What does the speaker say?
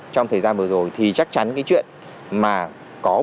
trong thời gian vừa rồi thì chắc chắn cái chuyện mà có